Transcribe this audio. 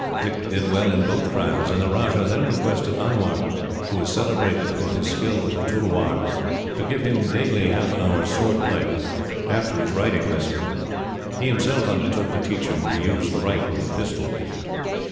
Dick did well in both trials, and the Rajah then requested Anwar, who was celebrated for his skill with the tulwar, to give him, daily, half an hour's sword play, after his riding lesson. He himself undertook to teach him to use the rifle and pistol.